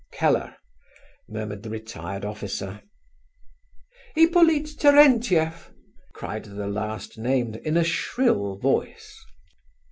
"Keller," murmured the retired officer. "Hippolyte Terentieff," cried the last named, in a shrill voice.